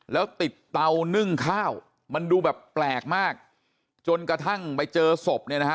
แล้วติดเตานึ่งข้าวมันดูแบบแปลกมากจนกระทั่งไปเจอศพเนี่ยนะฮะ